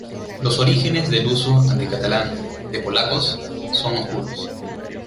Los orígenes del uso anti-catalán de "polacos" son oscuros.